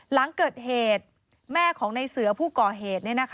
หลังเกิดเหตุแม่ของในเสือผู้ก่อเหตุ